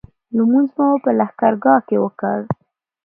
لمونځ مو په لښکرګاه کې وکړ.